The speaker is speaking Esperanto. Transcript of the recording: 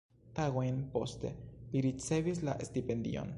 Tagojn poste, li ricevis la stipendion.